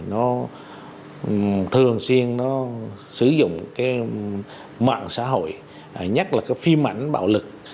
nó thường xuyên sử dụng mạng xã hội nhất là phim ảnh bạo lực